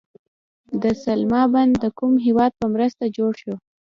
د سلما بند د کوم هیواد په مرسته جوړ شو؟